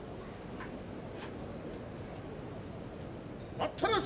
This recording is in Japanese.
待ったなし。